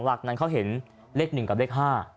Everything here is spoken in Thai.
หลักนั้นเขาเห็นเลข๑กับเลข๕